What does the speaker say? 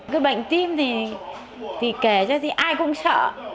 cái bệnh tim thì kể cho thì ai cũng sợ